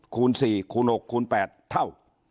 คูณ๔คูณ๖คูณ๘เท่า